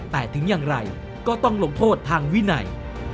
แต่ถึงอย่างไรก็ต้องลงโทษทางวินัย